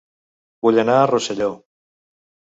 Vull anar a Rosselló